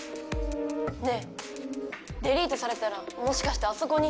ねえデリートされたらもしかしてあそこに。